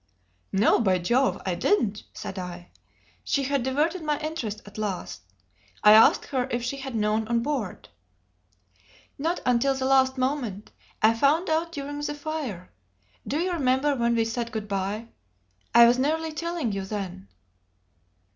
"No, by Jove I didn't!" said I. She had diverted my interest at last. I asked her if she had known on board. "Not until the last moment. I found out during the fire. Do you remember when we said good by? I was nearly telling you then."